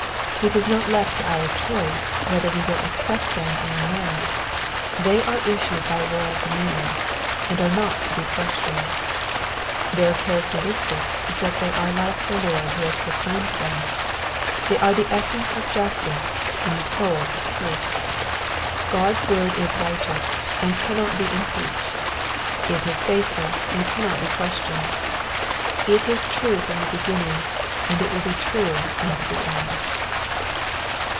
It is not left to our choice whether we will accept them or no ; they are issued by royal command, and are not to be questioned. Their characteristic is that they are like the Lord who has proclaimed them, they are the essence of justice and the soul of truth. God's word is Digitized by VjOOQIC 298 EXPOSITIONS OF THE PSALMS. righteous and cannot be impeached ; it is faithful and cannot be questioned ; it is true from the beginning, and it will be true unto the end.